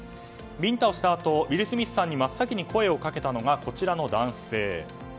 ビンタをしたあとウィル・スミスさんに真っ先に声をかけたのがこちらの男性。